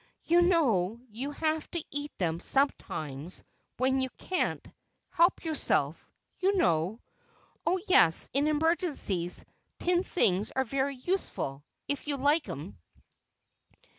"You know you have to eat them sometimes—when you can't—help yourself, you know. Oh, yes, in emergencies tinned things are very useful—if you like 'em."